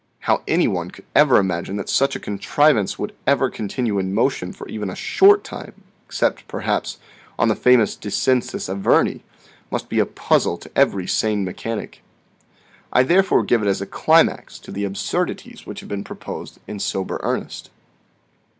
Fig. 16. How any one could ever imagine that such a contrivance would ever continue in motion for .even a short time, except, perhaps, on the famous decensus averni, must be a puzzle to every sane mechanic. I therefore give it as a climax to the absurdities which have been proposed in sober earnest.